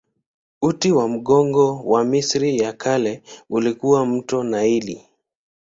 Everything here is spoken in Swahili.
Uti wa mgongo wa Misri ya Kale ulikuwa mto Naili.